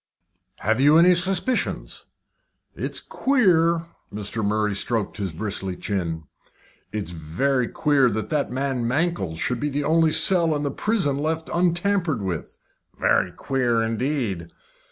"Have you any suspicions?" "It's queer." Mr. Murray stroked his bristly chin. "It's very queer that that man Mankell's should be the only cell in the prison left untampered with." "Very queer, indeed."